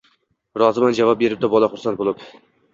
– Roziman, – javob beribdi, bola xursand bo‘lib